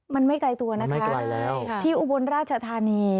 มันไม่ไกลตัวนะคะที่อุบลราชธานี